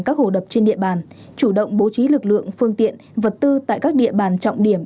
các hồ đập trên địa bàn chủ động bố trí lực lượng phương tiện vật tư tại các địa bàn trọng điểm